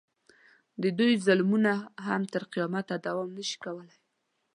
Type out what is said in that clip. د دوی ظلمونه هم تر قیامته دوام نه شي کولی.